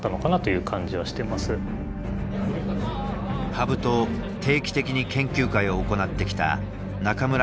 羽生と定期的に研究会を行ってきた中村太地八段。